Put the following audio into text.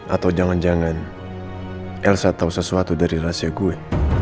atau jangan jangan elsa tahu sesuatu dari rahasia gue